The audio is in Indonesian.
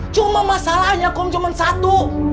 cuma masalahnya kom cuma satu